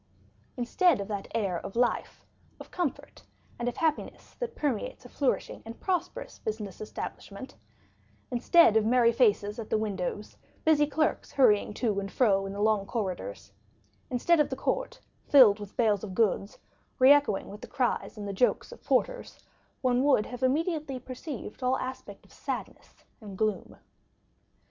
Instead of that air of life, of comfort, and of happiness that permeates a flourishing and prosperous business establishment—instead of merry faces at the windows, busy clerks hurrying to and fro in the long corridors—instead of the court filled with bales of goods, re echoing with the cries and the jokes of porters, one would have immediately perceived all aspect of sadness and gloom.